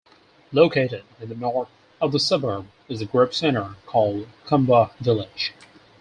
Located in the north of the suburb is the group centre called Kambah Village.